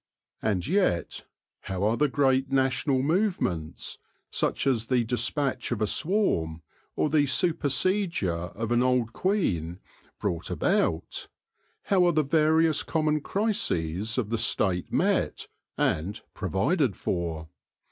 And yet, how are the great national movements, such as the despatch of a swarm or the supersedure of an old queen, brought about ; how are the various common crises of the State met, and provided for